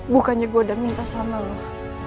bukannya gue udah minta sama lo